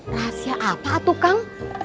rahasia apa tuh kang